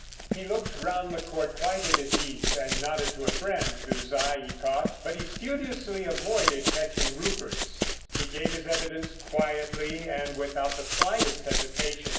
He looked round the Court quite at his ease, and nodded to a friend whose eye he caught; but he studiously avoided catching Rupert's. He gave his evidence quietly, and without the slightest hesitation.